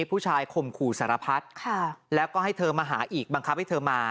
ผู้ชายข่มขู่สารพัฒน์แล้วก็ให้เธอมาหาอีกบังคับให้เธอมา